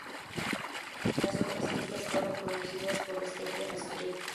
Las otras pistas fueron producidas por Stephen Street.